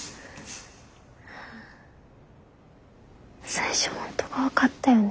・最初本当怖かったよね。